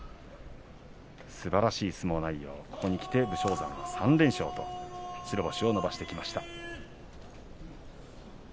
すばらしい相撲内容武将山３連勝と白星を伸ばしてきました。